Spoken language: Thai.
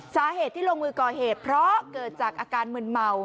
สาเหตุที่ลงมือก่อเหตุเพราะเกิดจากอาการมึนเมา